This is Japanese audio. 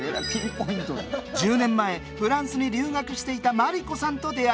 １０年前フランスに留学していた麻利子さんと出会い